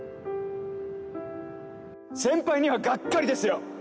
先輩にはがっかりですよ！